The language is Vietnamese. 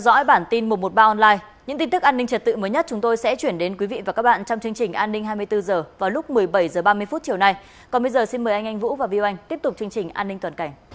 giờ ba mươi phút chiều nay còn bây giờ xin mời anh anh vũ và viu anh tiếp tục chương trình an ninh toàn cảnh